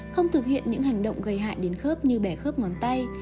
không thực hiện những hành động gây hại đến khớp như bẻ khớp ngón tay